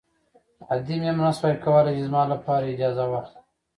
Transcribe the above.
ادې مې هم نه شوای کولی چې زما لپاره اجازه واخلي.